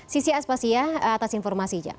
sisi aspasia atas informasi jam